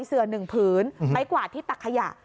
เสื่อหนึ่งผืนใบกวาดที่ตักขยะ